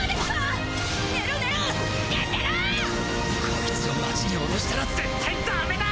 こいつを街に下ろしたら絶対ダメだ！！